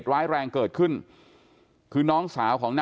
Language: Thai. จนกระทั่งหลานชายที่ชื่อสิทธิชัยมั่นคงอายุ๒๙เนี่ยรู้ว่าแม่กลับบ้าน